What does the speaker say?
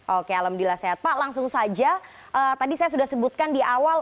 oke alhamdulillah sehat pak langsung saja tadi saya sudah sebutkan di awal